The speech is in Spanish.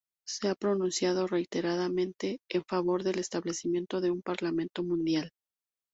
Se ha pronunciado reiteradamente en favor del establecimiento de un parlamento mundial.